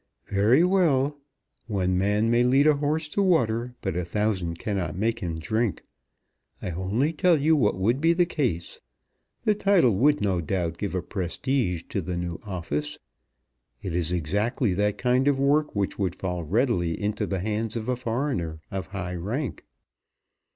"Very well. One man may lead a horse to water, but a thousand cannot make him drink. I only tell you what would be the case. The title would no doubt give a prestige to the new office. It is exactly that kind of work which would fall readily into the hands of a foreigner of high rank.